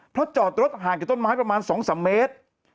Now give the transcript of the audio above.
เพราะจอดรถห่างจากต้นไม้ประมาณ๒๓เมตร